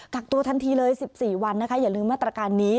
กักตัวทันทีเลย๑๔วันนะคะอย่าลืมมาตรการนี้